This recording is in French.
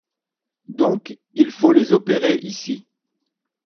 Donc, il faut les opérer ici.